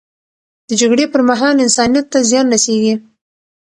د جګړې پر مهال، انسانیت ته زیان رسیږي.